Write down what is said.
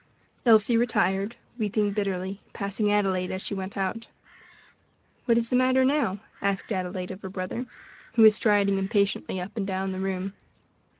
Elsie retired, weeping bitterly, passing Adelaide as she went out. "What is the matter now?" asked Adelaide of her brother, who was striding impatiently up and down the room.